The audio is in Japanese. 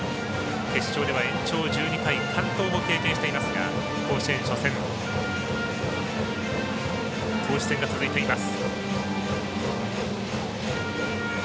決勝では延長１２回完投も経験していますが甲子園初戦投手戦が続いています。